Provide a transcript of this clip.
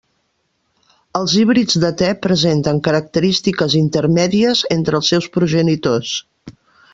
Els híbrids de te presenten característiques intermèdies entre els seus progenitors.